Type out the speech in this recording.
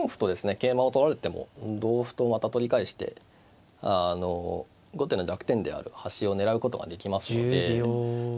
桂馬を取られても同歩とまた取り返して後手の弱点である端を狙うことができますので。